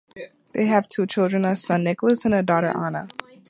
They have two children, a son Nicholas and a daughter Anna.